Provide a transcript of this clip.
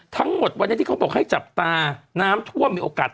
ทั้งหมดวันนี้ที่เขาบอกให้จับตาน้ำท่วมมีโอกาส